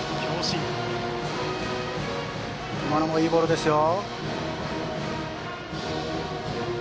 今のもいいボールですよ。